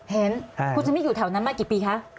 เห็นคุณท่องอาจารย์อยู่แถวนั้นมากี่ปีค่ะ